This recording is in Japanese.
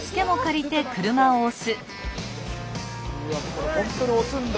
これ本当に押すんだ。